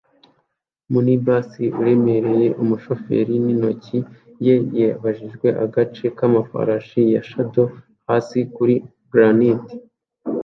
Umunibus uremereye, umushoferi nintoki ye yabajijwe, agace k'amafarashi ya shod hasi kuri granite,